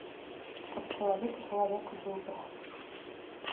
Каб чалавек чалавеку быў брат.